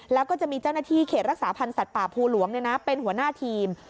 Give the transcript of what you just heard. แล้วก็จะมีเจ้าหน้าที่เขตรักษาพันธ์สัตว์ป่าภูหลวงเป็นหัวหน้าทีม